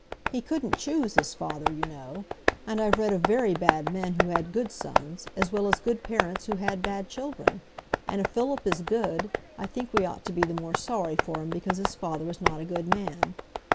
"He couldn't choose his father, you know; and I've read of very bad men who had good sons, as well as good parents who had bad children. And if Philip is good, I think we ought to be the more sorry for him because his father is not a good man.